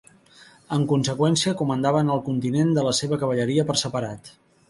En conseqüència, comandaven el contingent de la seva cavalleria per separat.